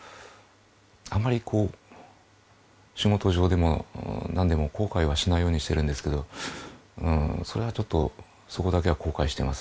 あまりこう仕事上でもなんでも後悔はしないようにしているんですけどそれはちょっとそこだけは後悔してます